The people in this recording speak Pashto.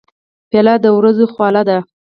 پیاله د ورځو خواله ده.